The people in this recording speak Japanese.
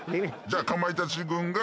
じゃあかまいたち軍が。